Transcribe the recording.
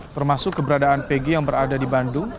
termasuk keberadaan pg yang berada di bandung